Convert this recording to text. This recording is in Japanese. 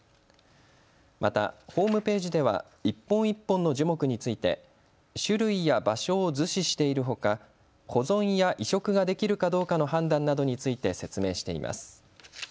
またホームページでは一本一本の樹木について種類や場所を図示しているほか保存や移植ができるかどうかの判断などについて説明しています。